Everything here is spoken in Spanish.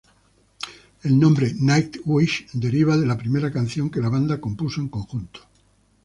El nombre "Nightwish" deriva de la primera canción que la banda compuso en conjunto.